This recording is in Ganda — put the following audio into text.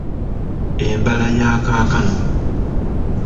Embala ya kaakano